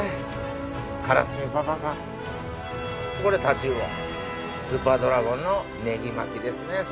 これタチウオスーパードラゴンのねぎ巻きですね。